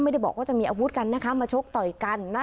ไม่ได้บอกว่าจะมีอาวุธกันนะคะมาชกต่อยกันนะ